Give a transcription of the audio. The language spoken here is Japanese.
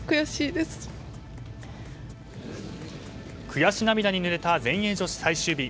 悔し涙にぬれた全英女子最終日。